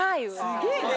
すげぇな。